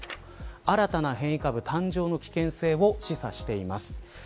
新たな変異株、誕生の危険性を示唆しています。